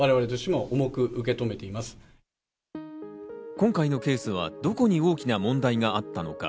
今回のケースはどこに大きな問題があったのか。